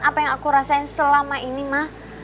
apa yang aku rasain selama ini ma